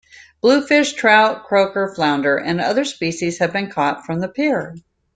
Bluefish, trout, croaker, flounder, and other species have been caught from the pier.